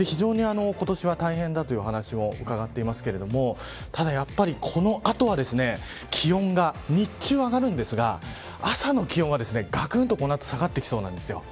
非常に今年は大変だという話をうかがってますけどただ、やっぱり、この後は気温が、日中は上がるんですが朝の気温は、がくっとこの後下がってきそうなんです。